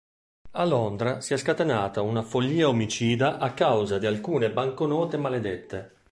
A Londra si è scatenata una follia omicida a causa di alcune banconote maledette.